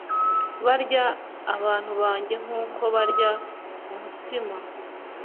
barya abantu banjye nk uko barya umutsima